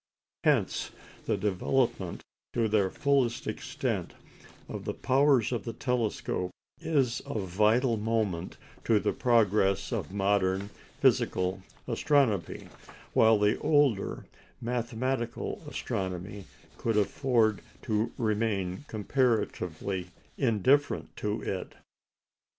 Hence the development, to their fullest extent, of the powers of the telescope is of vital moment to the progress of modern physical astronomy, while the older mathematical astronomy could afford to remain comparatively indifferent to it.